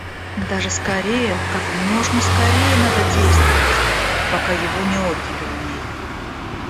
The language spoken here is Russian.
Даже скорее, как можно скорее надо действовать, пока его не отняли у ней.